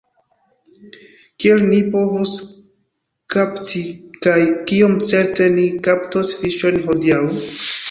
Kiel ni povus kapti, kaj kiom certe ni kaptos fiŝojn hodiaŭ?